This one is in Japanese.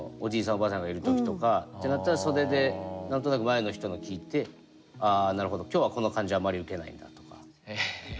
おばあさんがいる時とかってなったら袖で何となく前の人の聞いて「あなるほど。今日はこの感じあまりウケないんだ」とか。